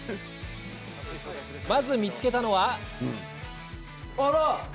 まず、見つけたのは。